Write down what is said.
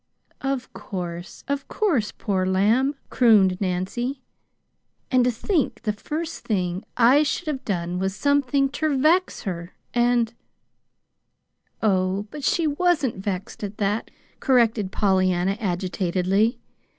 "Of course, of course, poor lamb," crooned Nancy. "And to think the first thing I should have done was somethin' ter vex her, and " "Oh, but she wasn't vexed at that," corrected Pollyanna, agitatedly.